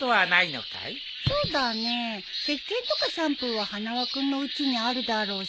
そうだねせっけんとかシャンプーは花輪君のうちにあるだろうし。